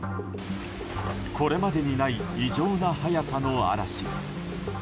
これまでにない異常な速さの嵐。